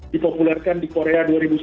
dipopulerkan di korea dua ribu sepuluh